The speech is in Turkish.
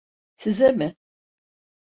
Size mi?